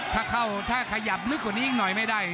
ถ้าเข้าถ้าขยับลึกกว่านี้อีกหน่อยไม่ได้